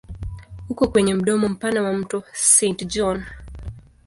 Uko kwenye mdomo mpana wa mto Saint John.